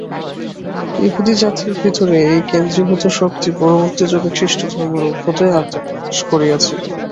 য়াহুদী জাতির ভিতরে এই কেন্দ্রীভূত শক্তি পরবর্তী যুগে খ্রীষ্টধর্মের অভ্যুদয়ে আত্মপ্রকাশ করিয়াছিল।